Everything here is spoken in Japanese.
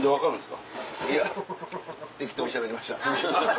いや適当にしゃべりました。